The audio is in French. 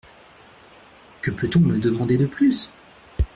Que peut-on me demander de plus ?